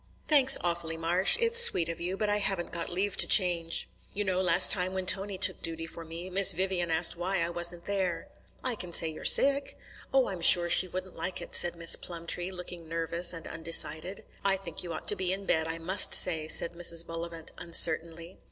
"Thanks awfully, Marsh; it's sweet of you, but I haven't got leave to change. You know last time, when Tony took duty for me, Miss Vivian asked why I wasn't there." "I can say you're sick." "Oh, I'm sure she wouldn't like it," said Miss Plumtree, looking nervous and undecided. "I think you ought to be in bed, I must say," said Mrs. Bullivant uncertainly.